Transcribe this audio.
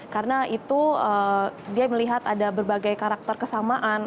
karena itu dia melihat ada berbagai karakter kesamaan